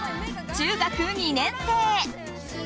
中学２年生。